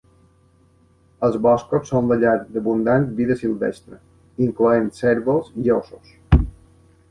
Els boscos són la llar d'abundant vida silvestre, incloent cérvols i ossos.